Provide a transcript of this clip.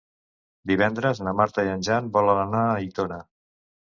Divendres na Marta i en Jan volen anar a Aitona.